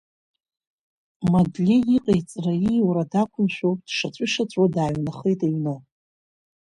Мадлеи иҟаиҵара-ииура дақәымшәо дшаҵәышаҵәуа дааҩнаахеит аҩны.